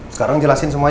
sekarang jelasin semuanya